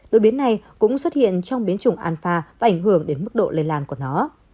đột biến này cũng xuất hiện trong biến chủng anfa và ảnh hưởng đến mức độ lây lan của nó